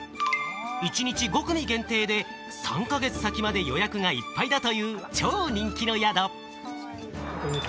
一日５組限定で３か月先まで予約がいっぱいだという超人気の宿。